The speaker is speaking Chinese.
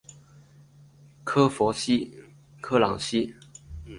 科朗西。